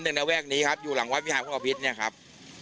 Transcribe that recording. เด็กในแว่งนี้ครับอยู่หลังวัดวิทยาคุณออภิษฐ์นี่ครับ